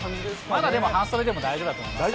まだでも半袖でも大丈夫だと思います。